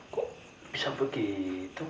kok bisa begitu